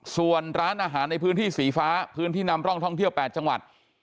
ส่วนร้านอาหารในพื้นที่สีฟ้าพื้นที่นำร่องท่องเที่ยว๘จังหวัด